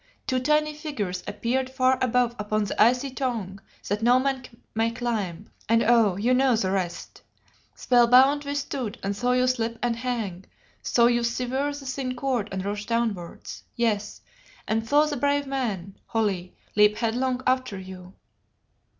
two tiny figures appeared far above upon the icy tongue that no man may climb, and oh! you know the rest. Spellbound we stood and saw you slip and hang, saw you sever the thin cord and rush downwards, yes, and saw that brave man, Holly, leap headlong after you.